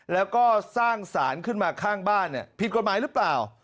แล้วก็สร้างสารขึ้นมาข้างบ้านผิดกฎหมายหรือเปล่า